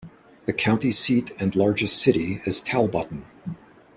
The county seat and largest city is Talbotton.